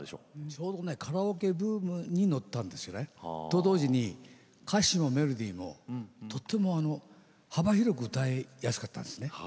ちょうどカラオケブームに乗ったんですね。と同時に歌詞もメロディーもとても幅広く歌いやすかったんですね。